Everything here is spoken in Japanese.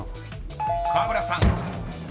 ［河村さん］